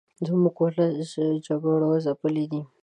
زموږ ولس جګړو ځپلې دې